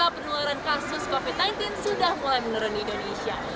penularan kasus covid sembilan belas sudah mulai menurun di indonesia